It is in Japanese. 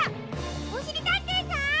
おしりたんていさん？